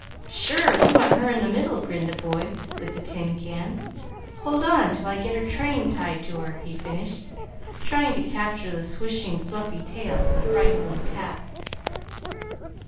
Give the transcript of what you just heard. "Sure! We want her in the middle," grinned the boy with the tin can. "Hold on till I get her train tied to her," he finished, trying to capture the swishing, fluffy tail of the frightened little cat.